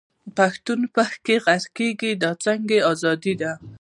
پښتون په کښي غرقېږي، دا څنګه ازادي ده.